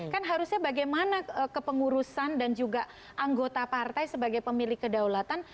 kan harusnya bagaimana kepengurusan dan juga anggota partai sebagai pemilik kedaulatan